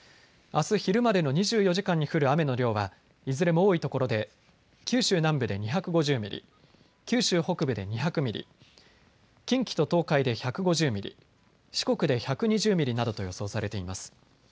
あす昼までの２４時間に降る雨の量はいずれも多いところで九州南部で２５０ミリ、九州北部で２００ミリ、近畿と東海で１５０ミリ、四国で１２０ミリなどと予想されています。